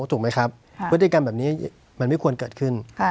ถูกไหมครับพฤติกรรมแบบนี้มันไม่ควรเกิดขึ้น